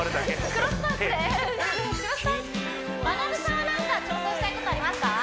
クロスパンチまなぶさんは何か挑戦したいことありますか？